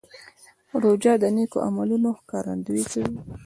روژه د نیکو عملونو ښکارندویي کوي.